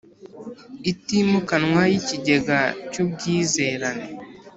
itimukanwa y ikigega cy ubwizerane